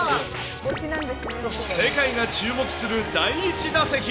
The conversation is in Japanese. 世界が注目する第１打席。